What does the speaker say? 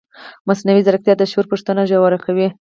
مصنوعي ځیرکتیا د شعور پوښتنه ژوره کوي.